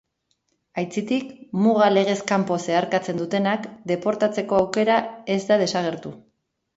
Aitzitik, muga legez kanpo zeharkatzen dutenak deportatzeko aukera ez da desagertu.